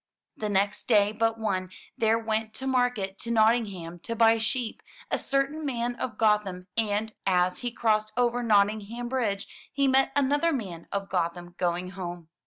'* The next day but one, there went to market to Nottingham to buy sheep, a certain man of Gotham, and, as he crossed over Nottingham bridge, he met another man of Gotham going home.